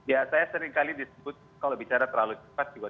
ya saya seringkali disebut kalau bicara terlalu cepat juga